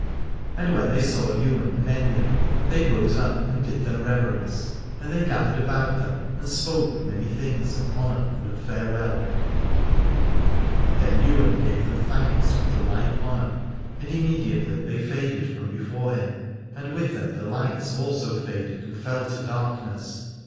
And when they saw Ywain and Aithne they rose up and did them reverence, and they gathered about them and spoke many things of honour and of farewell. Then Ywain gave them thanks with the like honour, and immediately they faded from before him, and with them the lights also faded and fell to darkness.